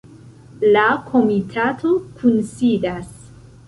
La komitato kunsidas.